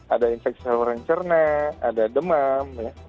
ada infeksi seluruh pernafasan akut ada demam